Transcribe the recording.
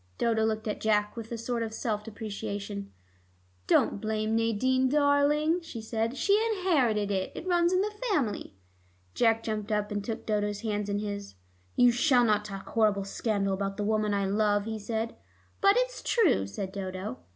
Dodo looked at Jack with a sort of self deprecation. "Don't blame Nadine, darling," she said. "She inherited it; it runs in the family." Jack jumped up, and took Dodo's hands in his. "You shall not talk horrible scandal about the woman I love," he said. "But it's true," said Dodo.